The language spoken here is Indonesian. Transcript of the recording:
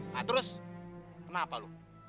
nah terus kenapa lo